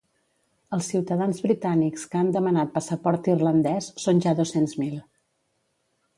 Els ciutadans britànics que han demanat passaport irlandès són ja dos-cents mil.